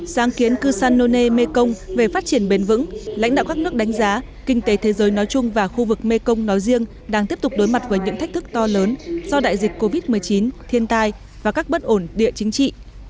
sáng kiến kusanone mekong về phát triển bền vững lãnh đạo các nước đánh giá kinh tế thế giới nói chung và khu vực mekong nói riêng đang tiếp tục đối mặt với những thách thức to lớn do đại dịch covid một mươi chín thiên tai và các bất ổn địa chính trị